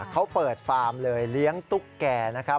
เขาเปิดฟาร์มเลยเลี้ยงตุ๊กแก่นะครับ